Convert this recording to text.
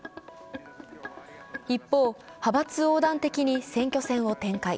一方、派閥横断的に選挙戦を展開。